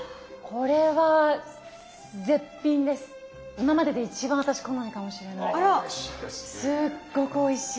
今までで一番私好みかもしれないぐらいすっごくおいしい。